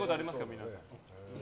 皆さん。